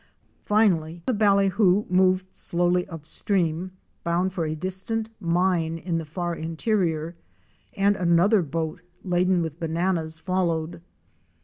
Finally the ballyhoo moved slowly up stream, bound for a distant mine in the far interior, and another boat laden with bananas followed.